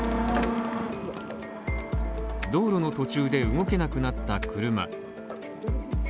道路の途中で動けなくなった車。